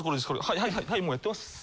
はいはいはいもうやってます。